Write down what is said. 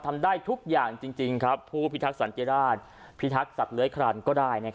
ทำได้ทุกอย่างจริงจริงครับผู้พิทักษณ์สันเจราชพิทักษณ์สัตว์เลื้อยครันก็ได้นะครับ